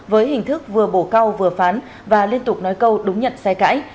với hình thức vừa bổ cao vừa phán và liên tục nói câu đúng nhận sai cãi